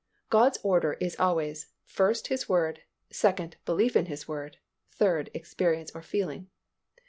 God's order is always: first, His Word; second, belief in His Word; third, experience, or feeling.